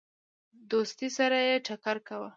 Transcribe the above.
د دوستی سره یې ټکر کاوه.